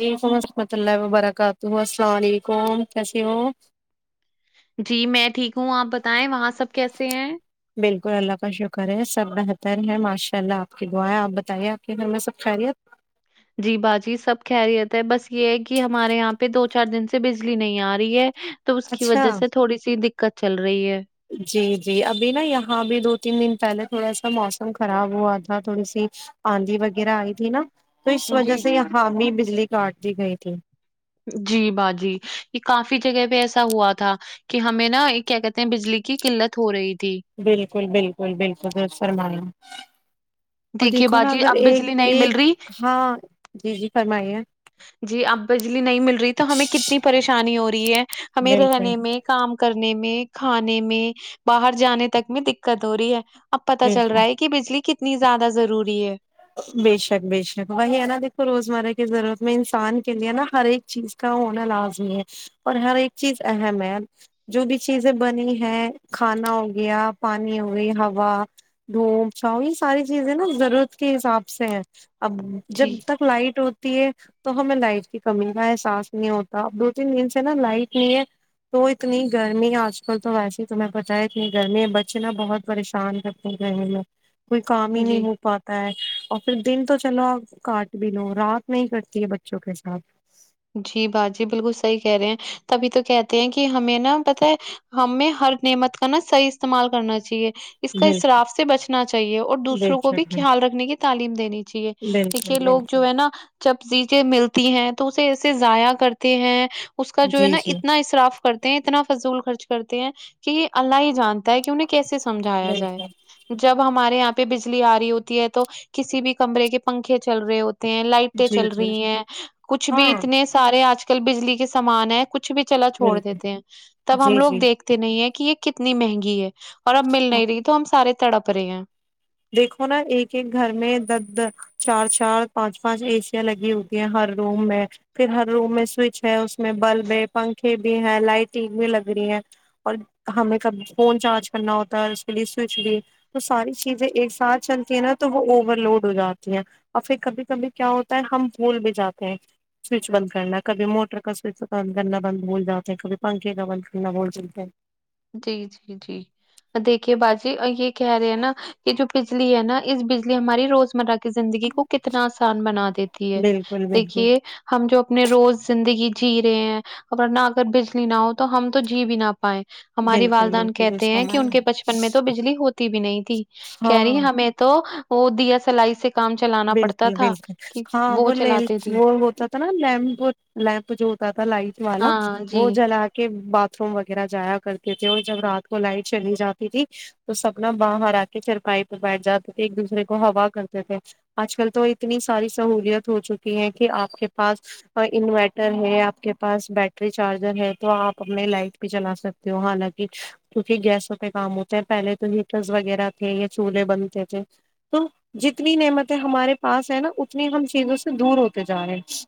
وعلیکم و رحمۃ اللہ وبرکاتہ السلام علیکم کیسی ہو جی میں ٹھیک ہوں آپ بتائیں وہاں سب کیسے ہیں بالکل اللہ کا شکر ہے سب بہتر ہے ماشاء اللہ آپ کی دعائیں آپ بتائیے آپ کے گھر میں سب خیریت جی باجی سب خیریت ہے بس یہ ہے کہ ہمارے یہاں پہ دو چار دن سے بجلی نہیں آ رہی ہے تو اس کی اچھا وجہ سے تھوڑی سی دقت چل رہی ہے جی جی ابھی نا یہاں بھی دو تین دن پہلے تھوڑا سا موسم خراب ہوا تھا تھوڑی سی آندھی وغیرہ آئی تھی نا تو اس وجہ جی سے یہاں بھی بجلی کاٹ دی گئی تھی جی باجی یہ کافی جگہ پہ ایسا ہوا تھا کہ ہمیں نا کیا کہتے ہیں بجلی کی خلت ہو رہی تھی بالکل بالکل بالکل درست فرمایا اور دیکھیے دیکھو نا باجی اگر اب ایک بجلی نہیں مل ایک رہی ہاں جی جی فرمائیے جی اب بجلی نہیں مل رہی تو ہمیں کتنی پریشانی ہو رہی ہے ہمیں بالکل رہنے میں کام کرنے میں کھانے میں باہر جانے تک میں دکت ہو رہی ہے اب پتا چل بالکل رہا ہے کہ بجلی کتنی زیادہ ضروری ہے بے شک بےشک وہی ہے نا دیکھو روزمرہ کی ضرورت میں انسان کے لیے نا ہر ایک چیز کا ہونا لازمی ہے اور ہر ایک چیز اہم ہے جو بھی چیزیں بنی ہیں کھانا ہو گیا پانی ہو گئی ہوا دھوپ چھاؤں یہ ساری چیزیں نا ضرورت کے حساب سے ہے اب جب جی تک لائٹ ہوتی ہے تو ہمیں لائٹ کی کمی کا احساس نہیں ہوتا اب دو تین دن سے نا لائٹ نہیں ہے تو اتنی گرمی آج کل تو ویسیے تمہیں پتہ ہے اتنی گرمی ہے بچے نا بہت پریشان ہیں کوئی کام ہی نہیں جی ہو تا ہے اور پھر دن تو چلو آپ کاٹ بھی لو رات نہیں کٹتی نہیں بچوں کے ساتھ جی باجی بالکل صحیح کہہ رہے ہیں تبھی تو کہتے ہیں کہ ہمیں نا پتہ ہے ہمیں ہر نعمت کا نا صحیح استعمال کرنا چاہیے اس کا بالکل اسراف سے بچنا چاہیے اور بے دوسروں کو بھی شک خیال رکھنے کی تعلیم دینی چاہیے دیکھیے بالکل لوگ بالکل جو ہے نا چب چیزیں ملتی ہیں تو اسے ایسے ضائع کرتے ہیں اس کا جو ہے جی نا جی اتنا اصراف کرتے ہیں اتنا فضول خرچ کرتے ہیں کہ یہ اللہ ہی جانتا ہے کہ انہیں کیسے سمجھایا جائے بالکل جب ہمارے یہاں پہ بجلی آ رہی ہوتی ہے تو کسی بھی کمرے کے پنکھے چل رہے ہوتے ہیں لائٹیں جی چل جی رہی ہیں کچھ بھی ہاں اتنے سارے آج کل بجلی کے سامان ہیں کچھ بھی چلا چھوڑ بالکل دیتے ہیں تب ہم جی لوگ جی دیکھتے نہیں ہیں کہ یہ کتنی مہنگی ہے اور اب مل نہیں رہی تو ہم سارے تڑپ رہے ہیں دیکھو نا ایک ایک گھر میں دو دو چار چار پانچ پانچ ایسیا ں لگی ہوتی ہیں ہر روم میں پھر ہر روم میں سوئچ ہے اس میں بلب ہے پنکھے بھی ہیں لائٹنگ بھی لگ رہی ہیں اور ہمیں کب فون چارج کرنا ہوتا ہے اس کے لیے سوئچ بھی تو ساری چیزیں ایک ساتھ چلتی ہیں نا تو وہ اور لوڈ ہو جاتی ہیں اور پھر کبھی کبھی کیا ہوتا ہے ہم بھول بھی جاتے ہیں سوئچ بند کرنا کبھی موٹر کا سوئچ بند کرنا بند بھول جاتے ہیں کبھی پنکھے کا بند کرنا بھول جلتے ہیں جی جی جی دیکھیے باجی یہ کہہ رہے ہیں نا کہ جو بجلی ہے نا اس بجلی ہماری روزمرہ کی زندگی کو کتنا آسان بنا دیتی ہے بالکل بالکل دیکھیے ہم جو اپنے روز زندگی جی رہے ہیں اور نہ اگر بجلی نہ ہو تو ہم تو جی بھی نہ پائے ہماری بالکل والدین بالکل اس کہتے ہیں کہ سمے ان کے بچپن میں تو بجلی ہوتی بھی نہیں تھی کہہ ہاں رہی ہمیں تو وہ دیا سلائی سے کام چلانا پڑتا بالکل تھا بالکل کہ ہاں وہ ل چلاتے تھی وہ ہوتا تھا نا لیمپ لیمپ جو ہوتا تھا لائٹ والا ہاں جی وہ جلا کے باتھ روم وغیرہ جایا کرتے تھے اور جب رات کو لائٹ چلی جاتی تھی تو سپنا باہر آ کے پھر پائی پہ بیٹھ جاتے تھے ایک دوسرے کو ہوا کرتے تھے آج کل تو اتنی ساری سہولیت ہو چکی ہے کہ آپ کے پاس اور انورٹر ہے آپ کے پاس بیٹری چارجر ہے تو آپ اپنے لائٹ بھی چلا سکتے ہو حالانکہ کیونکہ گیسوں پہ کام ہوتے ہے پہلے تو ہیٹر وغیرہ تھے یا چولہے بنتے تھے تو جتنی نعمتیں ہمارے پاس ہے نا اتنی ہم چیزوں سے دور ہوتے جا رہے ہیں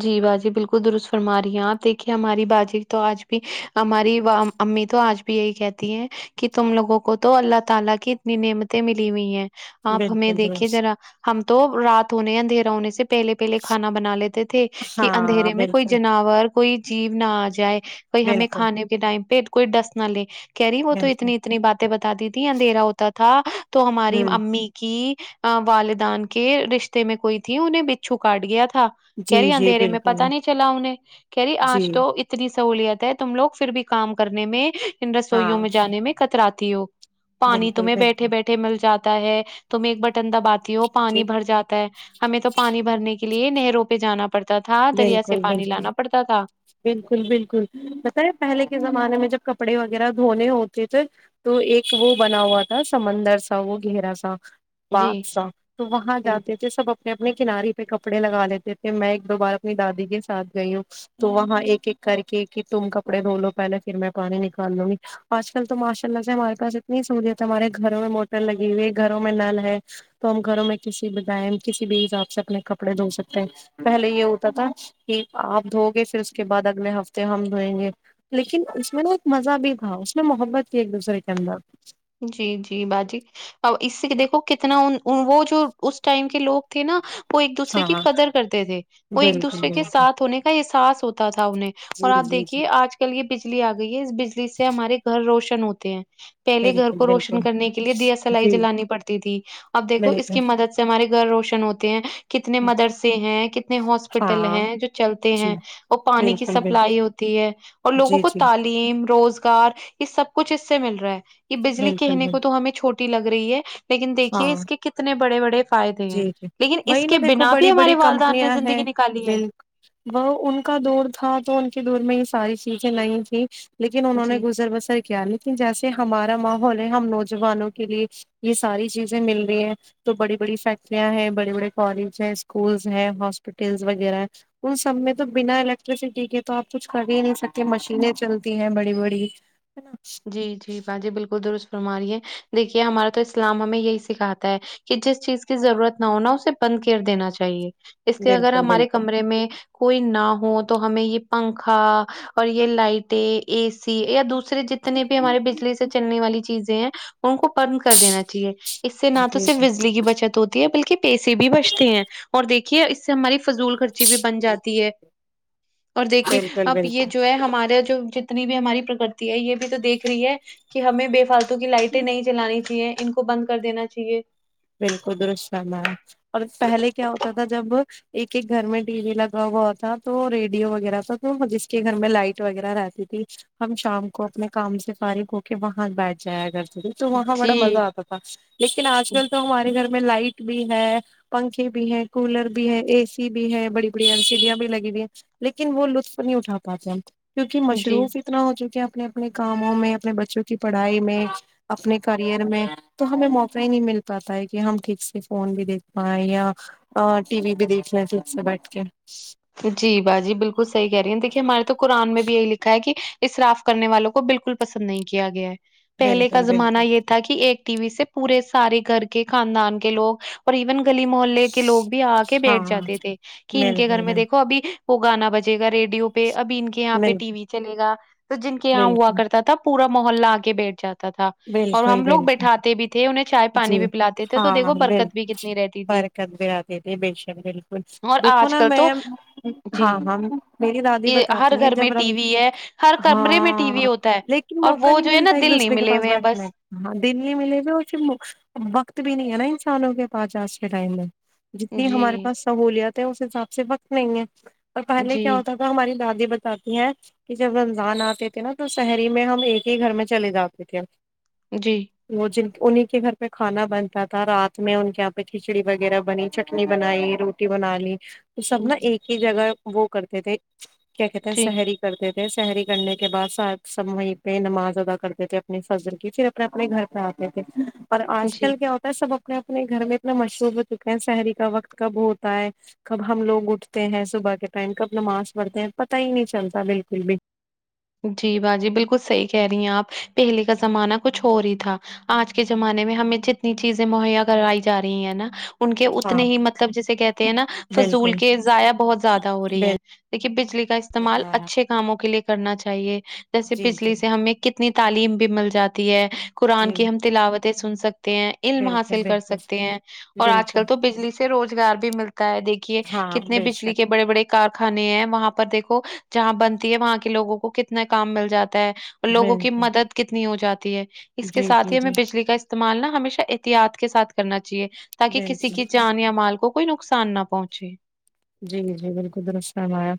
جی باجی بالکل درست فرما رہی ہیں آپ دیکھیے ہماری باجی تو آج بھی ہماری امی تو آج بھی یہی کہتی ہیں کہ تم لوگوں کو تو اللہ تعالی کی اتنی نعمتیں ملی ہوئی ہیں آپ ہمیں بالکل دیکھیے درست ذرا ہم تو رات ہونے اندھیرا ہونے سے پہلے پہلے کھانا بنا لے تھے کہ ہاں اندھیرے میں کوئی بالکل جناور کوئی جیو نہ آ جائے کوئی ہمیں بالکل کھانے ٹائم پہ کوئی ڈس نہ لے کہہ رہی وہ تو بالکل اتنی اتنی باتیں بتاتی تھی اندھیرا ہوتا تھا تو ہماری ہوں امی کہ والدان کے رشتے میں کوئی تھی انہیں بچھو کاٹ گیا تھا کہہ رہی جی ہے جی اندھیرے میں بالکل پتا نہیں چلا انہیں کہریی جی آج تو اتنی سہولت ہے تم لوگ پھر بھی کام کرنے میں ان ہاں رسوئیوں میں جانے میں کترا تی ہو پانی بالکل تمہیں بالکل بیٹھے بیٹھے مل جاتا ہے تمیں ایک بٹن دباتی ہو پانی جی بھر جاتا ہے ہمیں تو پانی بھرنے کے لیے نہروں پہ جانا پڑتا تھا دریا سے بالکل پانی بالکل لانا پڑتا تھا بالکل بالکل پتہ ہے پہلے کے زمانے میں جب کپڑے وغیرہ دھونے ہوتے تھے تو ایک وہ بنا ہوا تھا سمندر سا وہ گہرا سا جی پاک صاف تو وہاں جاتے تھے سب اپنے اپنے کنارے پہ کپڑے لگا لیتے تھے میں ایک دو بار اپنی دادی کے ساتھ گئی ہوں تو وہاں ایک ایک کر کے کہ تم کپڑے دھو لو پہلے پھر میں پانی نکال لوں گی آج کل تو ماشاء اللہ سے ہمارے پاس اتنی سہوولت ہے ہمارے گھروں میں موٹر لگی ہوئی ہے گھروں میں نل ہے تو ہم گھروں میں کسی بھی ٹائم کسی بھی حساب سے اپنے کپڑے دھو سکتے ہیں پہلے یہ پتہ ہے کہ آپ دھو گے پھر اس کے بعد اگلے ہفتے ہم دھوئیں گے لیکن اس میں نا ایک مزہ بھی تھا اس میں محبت تھی ایک دوسرے کے اندر جی جی باجی ا اس سے دیکھو کتنا وہ جو اس ٹائم کے لوگ تھے نا وہ ایک دوسرے کی ہاں قدر کرتے تھے وہ ایک بالکل دوسرے کے بالکل ساتھ ہونے کا احساس ہوتا تھا انہیں اور جی جی آپ جی دیکھیے آج کل یہ بجلی آ گئی ہے اس بجلی سے ہمارے گھر روشن ہوتے ہیں پہلےگھر بالکل کو روشن بالکل کرنے کے لیے دیا سلائی جی جلانی پڑتی تھی اب دیکھو اس بالکل کی مدد سے ہمارے گھر روشن ہوتے ہیں کتنے مدرسے ہیں کتنے ہاسپٹل ہاں ہیں جو چلتے جی ہیں وہ پانی کی بالکل بالکل سپلائی ہوتی ہے اور لوگوں جی کو جی تعل یم روزگار یہ سب کچھ اس سے مل رہا ہے یہ بجلی بالکل کہنے کو بالکل تو ہمیں چھوٹی لگ رہی ہے لیکن دیکھیے ہاں اس کے کتنے بڑے بڑے فائدے جی ہیں جی لیکن اس وہی نا کے دیکھو بنا بھی بڑی ہمارے بڑی والدین نے کمپنیاں ہیں زندگی نکالی ہے بل وہ ان کا دور تھا تو ان کے دور میں یہ ساری چیزیں نہیں تھیں لیکن انہوں نے جی گزر بسر کیا لیکن جیسے ہمارا ماحول ہے ہم نوجوانوں کے لیے یہ ساری چیزیں مل رہی ہیں تو بڑی بڑی ف کٹریاں ہے بڑے بڑے کالج ہے اسکولس ہے ہاسپٹلس وغیرہ ان سب میں تو بنا الیکٹرسٹی کے تو آپ کچھ کر ہی نہیں سکتے مشین چلتی ہیں بڑی بڑی [inaudible] جی جی باجی بالکل درست فرماری ہے دیکھیے ہمارا تو اسلام ہمیں یہی سکھاتا ہے کہ جس چیز کی ضرورت نہ ہونا اسے بند کر دینا چاہیے اس لیے اگر بالکل ہمارے بالکل کمرے میں کوئی نہ ہو تو ہمیں یہ پنکھا اور یہ لائٹیں اے سی یا دوسرے جت نے بھی ہمارے بجلی سے چلنے والی چیزیں ہیں ان کو بند کر دینا چاہیے اس سے نہ تو جی صرف جی بجلی کی بچت ہوت ی ہے بلکہ پیسے بھی بچتے ہیں اور دیکھیے اس سے ہماری فضول خرچی بھی بن جاتی ہے اور دیکھیے بالکل اب بالکل یہ جو ہے ہمارے جو جتنی بھی ہماری پرکتی ہے یہ تو دیکھ رہی ہے کہ ہمیں بے فالتو کی لائٹیں نہیں چلانی چاہیے ان کو بند کر دینا چاہیے بالکل درست فرمایا اور پہلے کیا ہوتا تھا جب ایک ایک گھر میں ٹی وی لگا ہوا تھا تو ریڈیو وغیرہ تھا تو جس کے گھر میں لائٹ وغیرہ رہتی تھی ہم شام کو اپنے کام سے فارغ ہو کے وہاں بیٹھ جایا کرتے تھے تو وہاں بڑا مزہ جی آتا تھا لیکن آج کل تو ہمارے گھر میں لائٹ بھی ہے پنکھے بھی ہے کولر بھی ہے اے سی بھی ہے بڑی بڑی ایل سیڈیاں بھی لگی ہوئی ہیں لیکن وہ لطف نہیں اٹھا پاتے ہم کیونکہ جی مشروف اتنا ہو چکے اپنے اپنے کاموں میں اپنے بچوں کی پڑھائی میں اپنے کرئر میں تو ہمیں موقع ہی نہیں مل تا ہے کہ ہم ٹھیک سے فون بھی دیکھ پائیں یا ا ٹی وی بھی دیکھ لیں پھر سے بیٹھ کے جی با جی بالکل صحیح کہہ رہی ہیں دیکھیے ہمارے تو قرآن میں بھی یہی لکھا ہے کہ اسراف کرنے والوں کو بالکل پسند نہیں کیا گیا ہے پہلے کا بالکل زمانہ بالکل یہ تھا کہ ایک ٹی وی سے پورے سارے گھر کے خاندان کے لوگ اور ایون گلی محلے کے لوگ بھی آ کے بیٹھ ہاں جاتے تھے کہ ان کے گھر بالکل میں دیکھ ابھی وہ گانا بجے گا ریڈیو پہ ابھی ان کے یہاں پہ بالکل ٹی وی چلے گا تو جن کے یہاں ہوا بالکل بالکل کرتا تھا پورا محلہ آ کے بیٹھ جاتا تھا اور بالکل ہم لوگ بالکل بیٹھاتے بھی تھے انہیں چائے پانی جی بھی پلاتے تھے تو ہاں دیکھو بال برکت بھی کتنی رہتی تھی برکت بھی آتی تھی بے شک بالکل اور دیکھو آج نا کل تو میم جی ہاں بھابی میری دادی یہ ہر بتاتی ہیں گھر میں جب ر ٹی وی ہے ہر کمرے میں ٹی وی ہاں ہوتا ہے لی کن اور موقع وہ نہیں جو نا ملتا ہے ایک دل نہیں دوسرے کے ملے پاس ہوئے ہیں بیٹھنے بس میں ہاں دن نہیں ملے گا اور پھر وقت بھی نہیں ہے نا انسانوں کے پاس آج کے ٹائم میں جتنی جی ہمارے پاس سہوولت ہے اس حساب سے وقت نہیں ہے اور پہلے جی کیا ہوتا ہماری دادی بتاتی ہیں کہ جب رمضان آتے تھے نا تو صہری میں ہم ایک ہی گھر میں چلے جاتے تھے جی وہ جن انہی کے گھر میں کھانا بنتا تھا رات میں ان کے یہاں پہ کھچڑی وغیرہ بنی چٹنی بنائی روٹی بنا لی تو سب نا ایک ہی جگہ وہ کرتے تھے کیا کہتے ہیں جی سہری کرتے تھے سحری کرنے کے بعد ساتھ سب وہیں پہ نماز ادا کرتے تھے اپنی فجر کی صرف اپنے گھر پہ آتے تھے اور آج جی کل کیا ہوتا سب اپنے اپنے گھر میں اتنا مشرور ہو چکے ہیں سحری کا وقت کب ہوتا ہے کب ہم لوگ اٹھتے ہیں صبح کے ٹائم کب نماز پڑھتے ہیں پتا ہی نہیں چلتا بالکل بھی جی با جی بالکل صحیح کہہ رہی ہیں آپ پہلے کا زمانہ کچھ اور ہی تھا آج کے زمانے میں ہمیں جتنی چیزیں مہیا کرائی جا رہی ہیں نا ان کے اتنے ہاں ہی مطلب جیسے کہتے ہیں نا فضول بالکل کے ضائع بہت زیادہ ہو رہی ہیں دیکھیے بجلی کا استعمال بالکل اچھے کاموں کے لیے کرنا چاہیے جیسے جی جی بجلی سے ہمیں کتنی تعلیم بھی مل جاتی ہے قرآن جی کی ہم تلاوتیں سن سکتے ہیں علم حاصل بالکل کر بالکل سکتے ہیں اور آج بالکل کل تو بجلی سے سے روزگار بھی ملتا ہے دیکھیے ہاں کتنے بے بجلی کے شک بڑے بڑے کارخانے ہیں وہاں پر دیکھو جہاں بنتی ہے وہاں کے لوگوں کو کتنا کام مل جاتا ہے لوگوں کی بالکل مدد کتنی ہو جاتی ہے اس کے جی جی ساتھ ہی ہمیں جی بجلی کا استعمال نہ ہمیشہ احتیاط کے ساتھ کرنا چاہیے تاکہ کسی بالکل کی جان یا مال کو کوئی نقصان نہ پہنچے جی جی بالکل درست فرمایا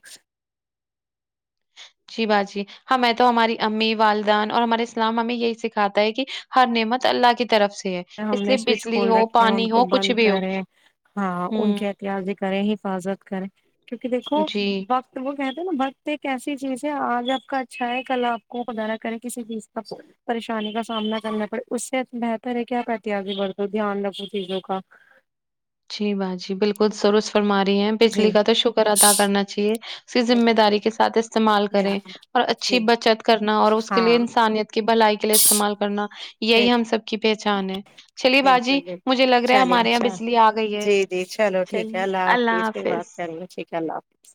جی با جی ہمیں تو ہماری امی والدین اور ہمارے اسلام ہمیں یہی سکھاتا ہے کہ ہر نعمت اللہ کی طرف سے ہے ہم اس نے لیے سوئچ بجلی کھول ہو رکھے ہیں ان پانی کو ہو کچھ بند بھی ہو کرے ہاں ان ہوں کے احتیاطی کریں حفاظت کریں کیونکہ دیکھوں جی وقت تو وہ کہتے ہیں نا وقت ایک ایسی چیز ہے آج آپ کا اچھا ہے کلا آپ کو خدا نہ کرے کسی چیز کا پریشانی کا سامنا کرنا پڑے اس سے بہتر ہے کیا حیاتیاتی برتو دھیان رکھو چیزوں کا جی با جی بالکل سرس فرما رہی ہیں جی بجلی کا تو شکر ادا کرنا چاہیے اس کی ذمہ بالکل داری کے ساتھ استعمال کریں بالکل اور اچھی جی بچت کرنا اور اس کے لیے ہاں انسانیت کے بھلائی کے لیے استعمال کرنا بال یہی ہم سب کی پہچان ہے چلیے باجی بالکل مجھے لگ بالکل رہا ہے چلیے ہمارے اچھا یہاں بجلی آ گئی ہے جی جی چلو ٹھیک ہے چلیے اللہ پھر حافظ بات کریں گے ٹھیک ہے اللہ حافظ